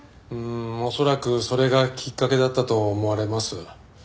うーん恐らくそれがきっかけだったと思われます。